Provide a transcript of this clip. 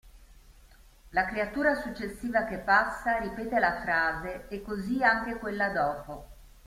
La creatura successiva che passa ripete la frase e così anche quella dopo.